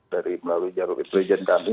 dari melalui jalur intelijen kami